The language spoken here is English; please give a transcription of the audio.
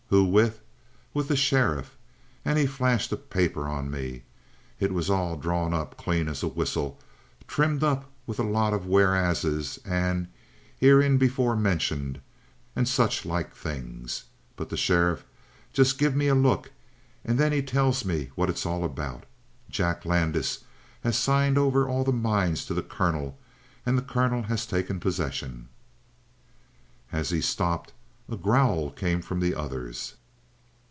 Who with? With the sheriff. And he flashed a paper on me. It was all drawn up clean as a whistle. Trimmed up with a lot of 'whereases' and 'as hereinbefore mentioned' and such like things. But the sheriff just gimme a look and then he tells me what it's about. Jack Landis has signed over all the mines to the colonel and the colonel has taken possession." As he stopped, a growl came from the others.